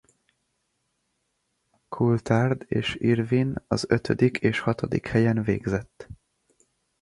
Coulthard és Irvine az ötödik és hatodik helyen végzett.